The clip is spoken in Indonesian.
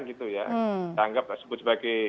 gitu ya danggap sebut sebagai